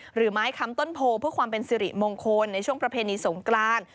หรือไม้คำต้นโพเพื่อความเป็นสิริมงคลในช่วงประเพณีสงกราน